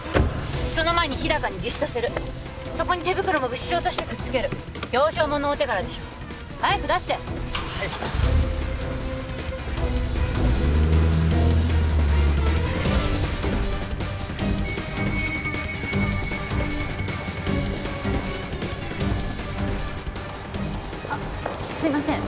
その前に日高に自首させるそこに手袋も物証としてくっつける表彰もんの大手柄でしょ早く出してはいあっすいません